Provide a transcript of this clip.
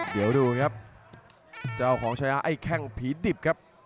เดี๋ยวดูครับเจ้าของชายาไอ้แข้งผีดิบครับ